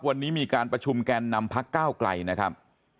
วันนี้มีการประชุมแกนนำพักก้าวไกลนะครับ